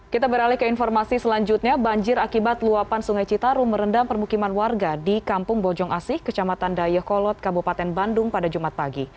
kita beralih ke informasi selanjutnya banjir akibat luapan sungai citarum merendam permukiman warga di kampung bojong asih kecamatan dayakolot kabupaten bandung pada jumat pagi